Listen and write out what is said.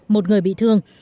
một người bị thương